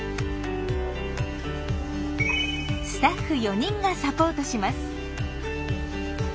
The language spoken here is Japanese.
スタッフ４人がサポートします。